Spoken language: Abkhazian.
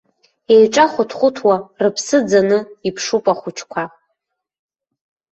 Еиҿахәыҭ-хәыҭуа, рыԥсы ӡаны иԥшуп ахәыҷқәа.